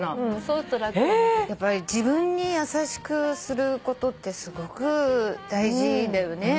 やっぱり自分に優しくすることってすごく大事だよね。